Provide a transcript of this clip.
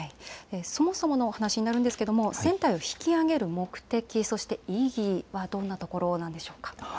そもそもの話になるんですが船体を引き揚げる目的、そして意義はどんなところなんでしょうか。